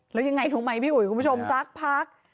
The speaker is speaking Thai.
แล้วยังไงรู้ไหมพี่อุ๋ยคุณผู้ชมสักพัก